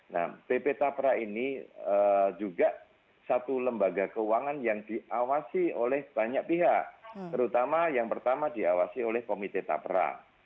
nah bp tapra ini juga satu lembaga keuangan yang diawasi oleh banyak pihak terutama yang pertama diawasi oleh komite tapra